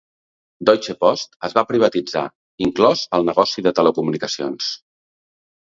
Deutsche Post es va privatitzar, inclòs el negoci de telecomunicacions.